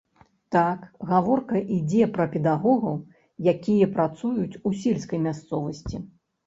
Так, гаворка ідзе пра педагогаў, якія працуюць у сельскай мясцовасці.